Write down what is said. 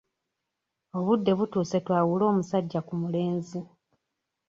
Obudde butuuse twawule omusajja ku mulenzi.